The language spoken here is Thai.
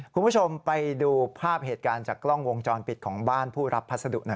คุณผู้ชมไปดูภาพเหตุการณ์จากกล้องวงจรปิดของบ้านผู้รับพัสดุหน่อย